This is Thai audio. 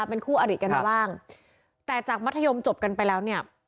เป็นคู่อดิสต์กันหรอบ้างค่ะแต่จากม้าทะยมจบกันไปแล้วเนี่ย